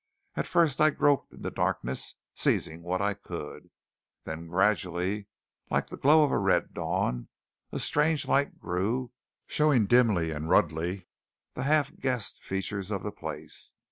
At first I groped in the darkness, seizing what I could; then gradually, like the glow of a red dawn, a strange light grew, showing dimly and ruddily the half guessed features of the place.